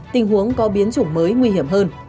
tình huống có biến chủng mới nguy hiểm hơn